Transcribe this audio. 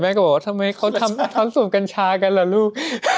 ก็บอกว่าทำไมเขาทำสูบกัญชากันล่ะลูก